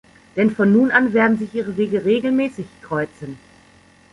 Denn von nun an werden sich ihre Wege regelmäßig kreuzen.